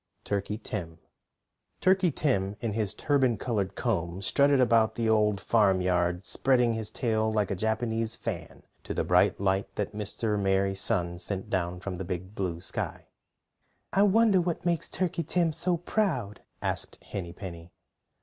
TURKEY TIM TURKEY TIM in his turban colored comb strutted about the Old Farmyard, spreading his tail like a Japanese fan to the bright light that Mr. Merry Sun sent down from the Big Blue Sky. "I wonder what makes Turkey Tim so proud?" asked Henny Penny.